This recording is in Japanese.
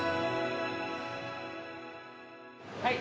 はい。